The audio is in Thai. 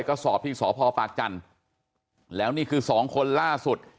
ก็สอบที่สพปากจันทร์แล้วนี่คือสองคนล่าสุด